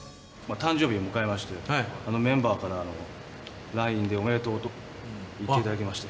誕生日を迎えまして、メンバーからＬＩＮＥでおめでとうと言っていただきまして。